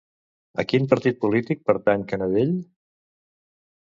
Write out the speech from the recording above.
A quin partit polític pertany Canadell?